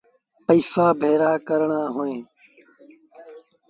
پئيٚسآ ڀيڙآ ڪرڻآن اهيݩ